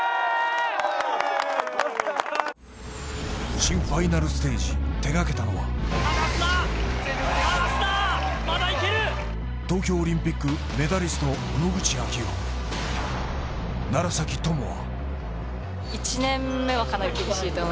新ファイナルステージ手がけたのは東京オリンピックメダリスト野口啓代、楢崎智亜。